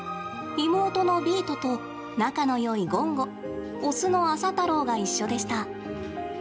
妹のビートと、仲のよいゴンゴオスのアサタローが一緒でした。